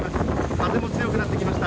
風も強くなってきました。